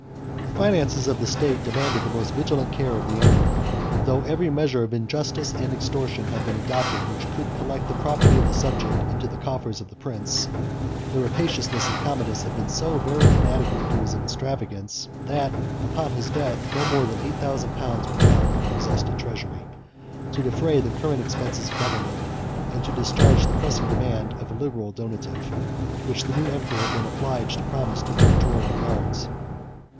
The finances of the state demanded the most vigilant care of the emperor. Though every measure of injustice and extortion had been adopted, which could collect the property of the subject into the coffers of the prince, the rapaciousness of Commodus had been so very inadequate to his extravagance, that, upon his death, no more than eight thousand pounds were found in the exhausted treasury, 50 to defray the current expenses of government, and to discharge the pressing demand of a liberal donative, which the new emperor had been obliged to promise to the Prætorian guards.